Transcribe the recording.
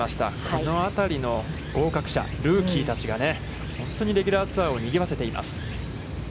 このあたりの合格者、ルーキーたちが本当にレギュラーツアーをにぎわせています。